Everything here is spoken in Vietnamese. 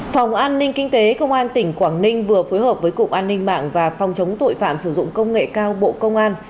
phòng an ninh kinh tế công an tỉnh quảng ninh vừa phối hợp với cục an ninh mạng và phòng chống tội phạm sử dụng công nghệ cao bộ công an